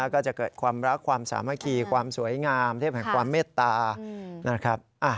ก็จะเกิดความรักความสามัคคีความสวยงามเทพแห่งความเมตตานะครับ